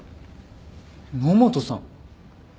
野本さん！